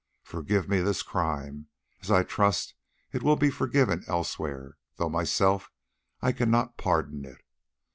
Forgive me this crime, as I trust it will be forgiven elsewhere, though myself I cannot pardon it.